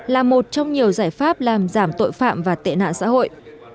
là một trong nhiều giải pháp làm giảm tội phạm và tệ nạn xã hội